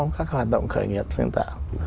các hoạt động khởi nghiệp sáng tạo